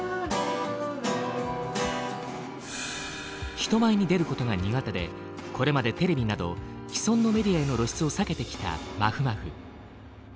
人前に出ることが苦手でこれまでテレビなど既存のメディアへの露出を避けてきたまふまふ。